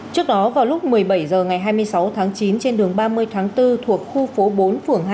trước đó vào lúc một mươi bảy h ngày hai mươi sáu tháng chín trên đường ba mươi tháng bốn thuộc khu phố bốn phường hai